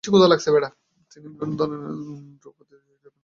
তিনি বিভিন্ন ধরনের ধ্রুপদী রুশ ও ইউরোপীয় নাটক মঞ্চস্থ করেন।